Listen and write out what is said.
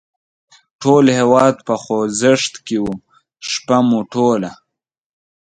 ټول هېواد په خوځښت کې و، شپه مو ټوله.